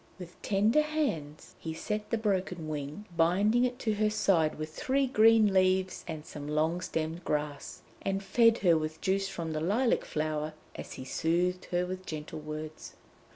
With tender hands he set the broken wing, binding it to her side with three green leaves and some long stemmed grass, and fed her with juice from the lilac flower as he soothed her with gentle words.